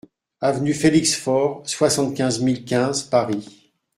AV FELIX FAURE, soixante-quinze mille quinze Paris